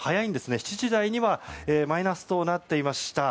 ７時台にはマイナスとなっていました。